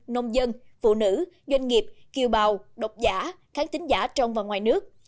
nông dân phụ nữ doanh nghiệp kiều bào độc giả kháng tính giả trong và ngoài nước